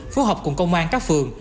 phối hợp cùng công an các phường